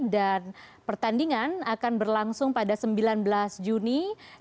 dan pertandingan akan berlangsung pada sembilan belas juni dua ribu dua puluh tiga